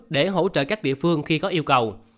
để hỗ trợ các địa phương khi có yêu cầu